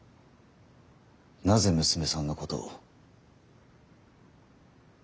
なぜ娘さんのことを。